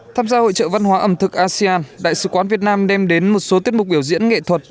tham gia hội trợ văn hóa ẩm thực asean đại sứ quán việt nam đem đến một số tiết mục biểu diễn nghệ thuật